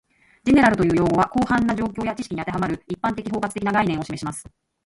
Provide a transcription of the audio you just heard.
"General" という用語は、広範な状況や知識に当てはまる、一般的・包括的な概念を示します